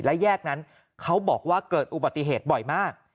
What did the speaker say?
และแยกนั้นเขาบอกว่าเกิดอุบัติเหตุบ่อยมาก